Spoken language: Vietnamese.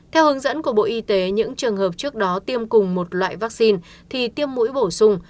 theo hướng dẫn của bộ y tế những trường hợp trước đó tiêm cùng một loại vaccine thì tiêm mũi bổ sung